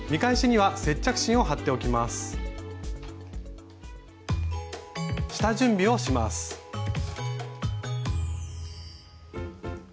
はい。